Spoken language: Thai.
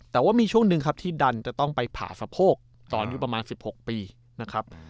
แต่ว่ามีช่วงหนึ่งครับที่ดันจะต้องไปผ่าสะโพกตอนอายุประมาณ๑๖ปีนะครับ